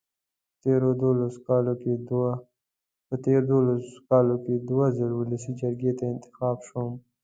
په تېرو دولسو کالو کې دوه ځله ولسي جرګې ته انتخاب شوم.